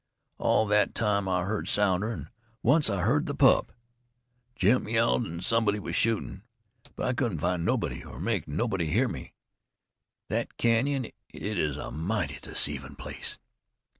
All thet time I heard Sounder, an' once I heard the pup. Jim yelled, an' somebody was shootin'. But I couldn't find nobody, or make nobody hear me. Thet canyon is a mighty deceivin' place.